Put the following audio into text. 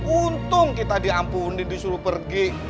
untung kita diampuni disuruh pergi